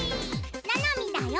ななみだよ。